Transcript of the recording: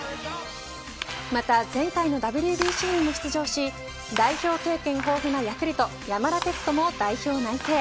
また前回のＷＢＣにも出場し代表経験豊富なヤクルト山田哲人も代表内定。